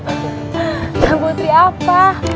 tuhan putri apa